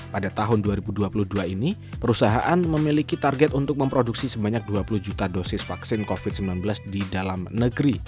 pada tahun dua ribu dua puluh dua ini perusahaan memiliki target untuk memproduksi sebanyak dua puluh juta dosis vaksin covid sembilan belas di dalam negeri